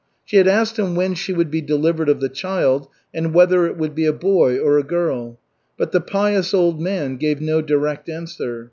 She had asked him when she would be delivered of the child and whether it would be a boy or a girl; but the pious old man gave no direct answer.